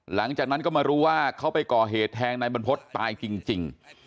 หลังจากนั้นก็มารู้ว่าเขาไปก่อเหตุแทงนายบรรพฤษตายจริง